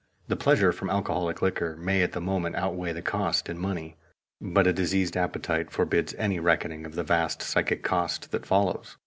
The pleasure from alcoholic liquor may at the moment outweigh the cost in money, but a diseased appetite forbids any reckoning of the vast psychic cost that follows.